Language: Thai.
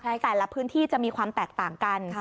แต่ละพื้นที่จะมีความแตกต่างกัน